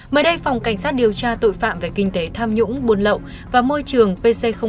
mới đây phòng cảnh sát điều tra tội phạm về kinh tế tham nhũng buôn lậu và môi trường pc một